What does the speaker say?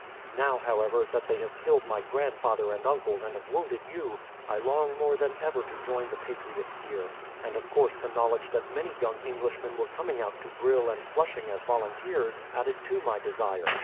Now, however, that they have killed my grandfather and uncles and have wounded you, I long more than ever to join the patriots here; and of course the knowledge that many young Englishmen were coming out to Brill and Flushing as volunteers added to my desire.